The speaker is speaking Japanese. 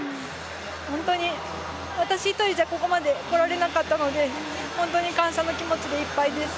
本当に私１人じゃここまで来られなかったので本当に感謝の気持ちでいっぱいです。